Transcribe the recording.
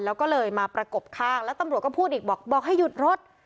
แล้วก็เลยมาประกบข้างแล้วตำรวจก็พูดอีกบอกบอกให้หยุดรถ